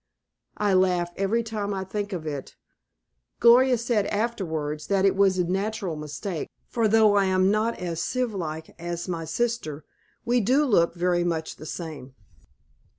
I laugh every time I think of it. Gloria said afterwards that it was a natural mistake, for though I am not as sylph like as my sister, we do look very much the same."